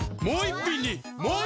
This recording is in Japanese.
もう１品に！